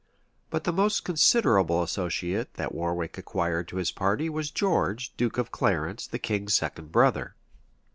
But the most considerable associate that Warwick acquired to his party, was George, duke of Clarence, the king's second brother.